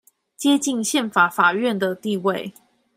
接近憲法法院的地位